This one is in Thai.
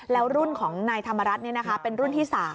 แล้วรุ่นของนายธรรมรัฐเนี่ยนะคะเป็นรุ่นที่๓